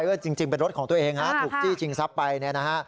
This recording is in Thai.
เพราะว่าจริงเป็นรถของตัวเองถูกจี้จิ้งซับไปนะฮะ